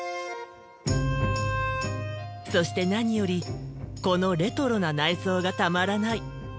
そして何よりこのレトロな内装がたまらない。